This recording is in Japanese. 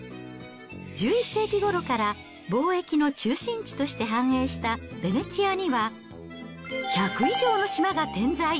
１１世紀ごろから貿易の中心地として繁栄したヴェネツィアには、１００以上の島が点在。